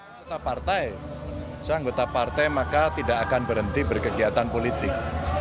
anggota partai saya anggota partai maka tidak akan berhenti berkegiatan politik